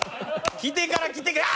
来てから来てから。